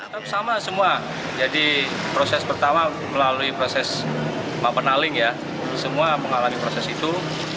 tetap sama semua jadi proses pertama melalui proses mapenaling ya semua mengalami proses itu